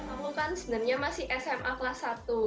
kamu kan sebenarnya masih sma kelas satu